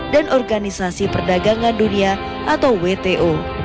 dan organisasi perdagangan dunia atau wto